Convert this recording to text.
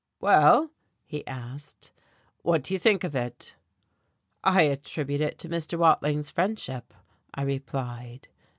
"Well," he asked, "what do you think of it?" "I attribute it to Mr. Watling's friendship," I replied.